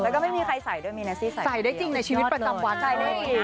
แล้วก็ไม่มีใครใส่ด้วยในชีวิตประจำวัติ